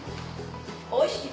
おいしい？